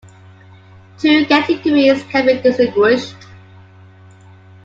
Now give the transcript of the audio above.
Two categories can be distinguished.